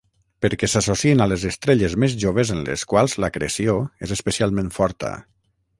Perquè s'associen a les estrelles més joves en les quals l'acreció és especialment forta.